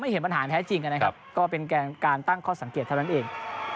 เห็นปัญหาแท้จริงนะครับก็เป็นการตั้งข้อสังเกตเท่านั้นเอง